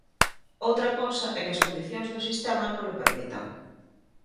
Outra cousa é que as condicións do sistema nolo permitan.